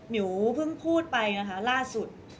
มิวเพิ่งพูดไปนะคะล่าสุด